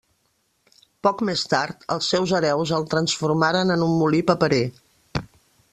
Poc més tard, els seus hereus el transformaren en un molí paperer.